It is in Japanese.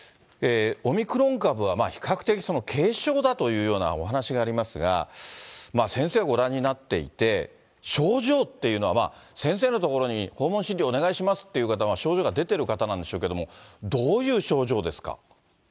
オミクロン株は比較的軽症だというようなお話がありますが、先生がご覧になっていて、症状っていうのは、先生のところに訪問診療お願いしますっていう方は、症状が出てる方なんでしょうけれども、どういう症状ですか。